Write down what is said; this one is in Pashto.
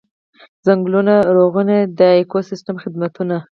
ځنګلونو رغونه د ایکوسیستمي خدمتونو.